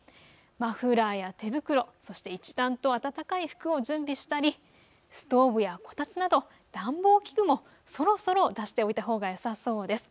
マフラーや手袋、そして一段と暖かい服を準備したりストーブやこたつなど暖房器具もそろそろ出しておいたほうがよさそうです。